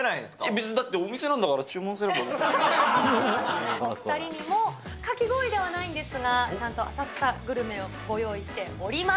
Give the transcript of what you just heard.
別にだって、お店なんだからお２人にも、かき氷ではないんですが、ちゃんと浅草グルメをご用意しております。